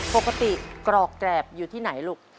ปกติกรอกแกรบอยู่ที่ไหนลูก